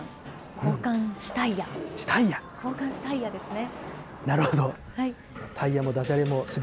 交換しタイヤですね。